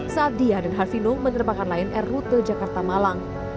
saat dia dan harvino menerbangkan lion air rute jakarta malang